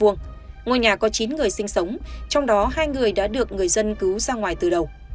ngôi nhà có chín người sinh sống trong đó hai người đã được người dân cứu ra ngoài từ đầu